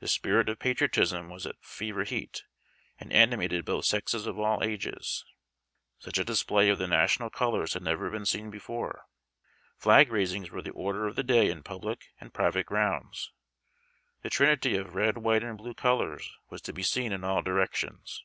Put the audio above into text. The spirit of patriotism was at fever heat, and animated both sexes of all ages. Such a display of the national colors had never been seen before. Flag raisings were the order of the day in public and private grounds. The trinity of red, white, and blue colors was to be seen in all directions.